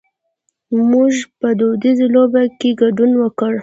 مونږ په دودیزو لوبو کې ګډون وکړ.